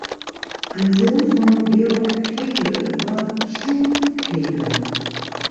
Ein Sohn von Georg Kegel war Sturm Kegel.